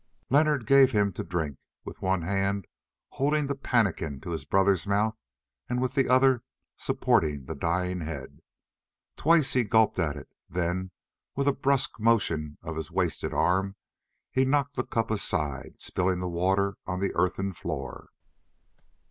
Leonard gave him to drink, with one hand holding the pannikin to his brother's mouth and with the other supporting the dying head. Twice he gulped at it, then with a brusque motion of his wasted arm he knocked the cup aside, spilling the water on the earthen floor.